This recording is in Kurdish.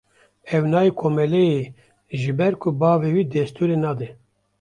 Ew nayê komeleyê ji ber ku bavê wî destûrê nade.